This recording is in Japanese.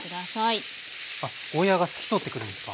あゴーヤーが透き通ってくるんですか？